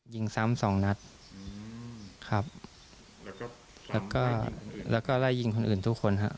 ยิงสองนัดครับแล้วก็แล้วยิงคนอื่นทุกคนฮะ